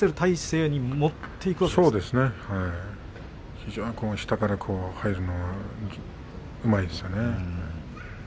非常に下から入るのがうまいですよね。